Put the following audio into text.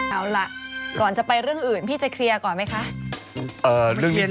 เอาล่ะก่อนจะไปเรื่องอื่นพี่จะเคลียร์ก่อนไหมคะ